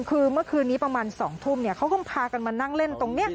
คือเมื่อคืนนี้ประมาณ๒ทุ่มเขาก็พากันมานั่งเล่นตรงนี้